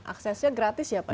aksesnya gratis ya pak